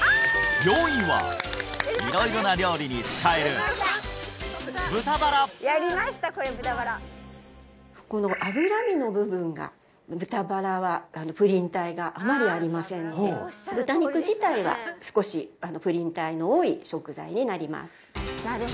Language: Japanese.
４位は色々な料理に使えるこの脂身の部分が豚バラはプリン体があまりありませんので豚肉自体は少しプリン体の多い食材になります